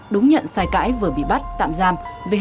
đúng nhận sai cãi vừa bị bắt tạm giam